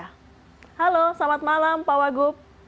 halo selamat malam pak wagub